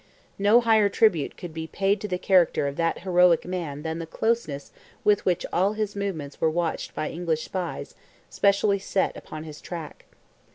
No higher tribute could be paid to the character of that heroic man than the closeness with which all his movements were watched by English spies, specially set upon his track.